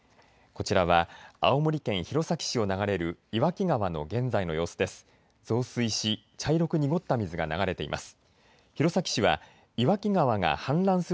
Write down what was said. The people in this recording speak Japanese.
こちらは青森県弘前市を流れる岩木川の現在の様子です。